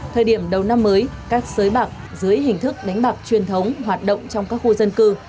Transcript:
thời điểm đầu năm mới các sới bạc dưới hình thức đánh bạc truyền thống hoạt động trong các khu dân cư